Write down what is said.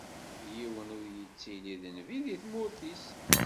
Yiwen ur yettili d nnbi deg tmurt-is.